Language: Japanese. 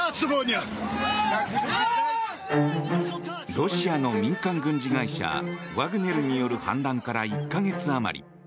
ロシアの民間軍事会社ワグネルによる反乱から１か月あまり。